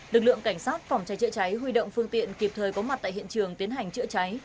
lực lượng cảnh sát phòng cháy chữa cháy huy động phương tiện kịp thời có mặt tại hiện trường tiến hành chữa cháy